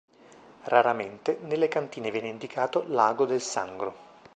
Raramente nelle cartine viene indicato "lago del Sangro".